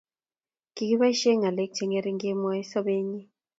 Kikiboisie ngalek chengering kemwoe sobenyi,